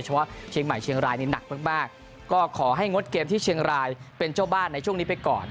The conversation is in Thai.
ว่าเชียงใหม่เชียงรายนี่หนักมากก็ขอให้งดเกมที่เชียงรายเป็นเจ้าบ้านในช่วงนี้ไปก่อน